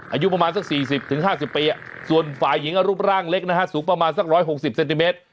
อายุประมาณสัก๔๐๕๐ปีส่วนฝ่ายหญิงรูปร่างเล็กนะฮะสูงประมาณสัก๑๖๐เซนติเมตร